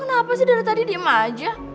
kenapa sih dari tadi diem aja